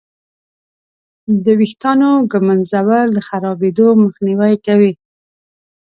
د ویښتانو ږمنځول د خرابېدو مخنیوی کوي.